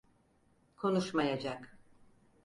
Konuşmayacak.